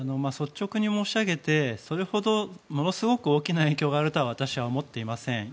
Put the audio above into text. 率直に申し上げてそれほどものすごく大きな影響があるとは私は思っていません。